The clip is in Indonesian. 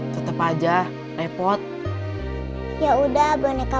tapi kalau takdirnya ternyata dia jodoh saya